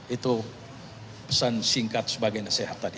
itu pesan singkat sebagai nasihat tadi